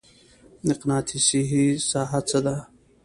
مقناطیسي ساحه څه ده؟